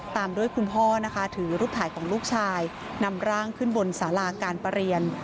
ตามด้วยคุณพ่อนะคะถือรูปถ่ายของลูกชายนำร่างขึ้นบนสาราการประเรียน